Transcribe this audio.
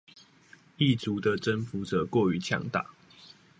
異族的征服者過於強大